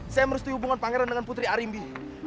saya merestui hubungan pangeran dengan putri arimbi